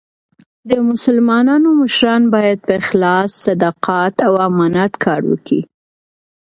د مسلمانانو مشران باید په اخلاص، صداقت او امانت کار وکي.